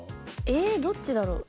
えどっちだろう？